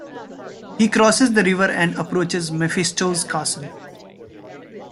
He crosses the river and approaches Mephisto's castle.